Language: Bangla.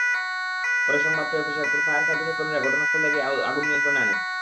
পরে সংবাদ পেয়ে শেরপুর ফায়ার সার্ভিসের কর্মীরা ঘটনাস্থলে গিয়ে আগুন নিয়ন্ত্রণে আনেন।